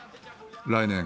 来年。